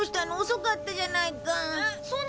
遅かったじゃないか。